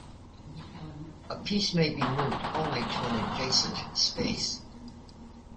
A piece may be moved only to an adjacent space.